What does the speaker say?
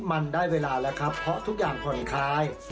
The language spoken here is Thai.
มันได้เวลาแล้วครับเพราะทุกอย่างผ่อนคลาย